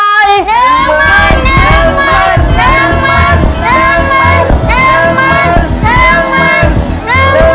เร็วเร็วเร็ว